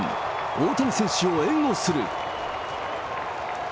大谷選手を援護する。